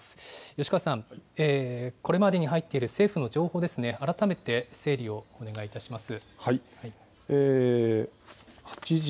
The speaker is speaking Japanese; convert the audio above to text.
吉川さん、これまでに入っている政府の情報、改めて整理をお願いいたします。